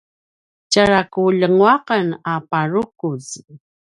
tjara ku ljenguaqen a purukuz